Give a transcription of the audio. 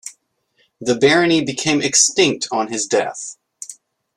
The barony became extinct on his death.